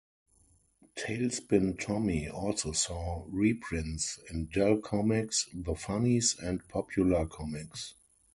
"Tailspin Tommy" also saw reprints in Dell Comics' "The Funnies" and "Popular Comics".